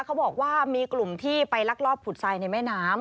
เขาบอกว่ามีกลุ่มที่ไปลักลอบขุดทรายในแม่น้ำ